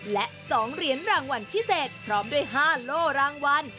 และ๒เหรียญรางวัลพิเศษพร้อมด้วย๕โล่รางวัล